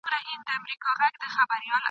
څو شېبو هوښیاری سره ساه ورکړي ..